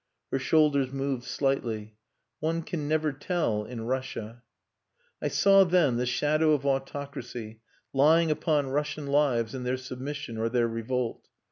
Her shoulders moved slightly. "One can never tell in Russia." I saw then the shadow of autocracy lying upon Russian lives in their submission or their revolt.